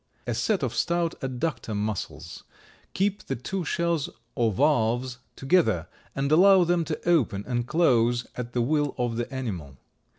A set of stout adductor muscles keep the two shells or valves together and allow them to open and close at the will of the animal.